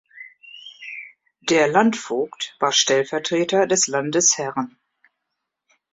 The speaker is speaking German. Der Landvogt war Stellvertreter des Landesherren.